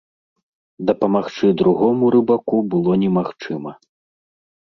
Дапамагчы другому рыбаку было немагчыма.